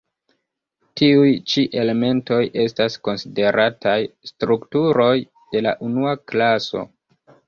Tiuj ĉi elementoj estas konsiderataj strukturoj de la unua klaso.